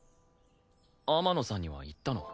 天野さんには言ったの？